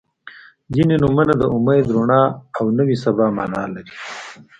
• ځینې نومونه د امید، رڼا او نوې سبا معنا لري.